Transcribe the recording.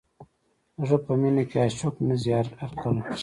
زړه په مینه کې عاشق نه ځي هر کله.